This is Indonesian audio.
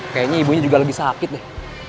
kayaknya ibunya juga lebih sakit deh